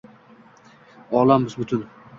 Olam bus-butun.